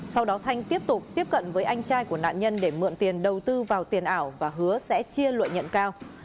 sau đó thanh tiếp tục tiếp cận với anh trai của nạn nhân để mượn tiền đầu tư vào tiền ảo và hứa sẽ chia lợi nhuận cao